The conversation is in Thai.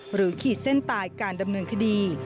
ขีดเส้นตายการดำเนินคดี